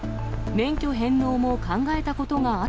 免許返納も考えたことがあっ